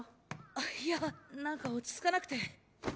あっいやなんか落ち着かなくて。